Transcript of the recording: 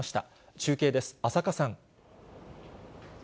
中継です、浅賀さん。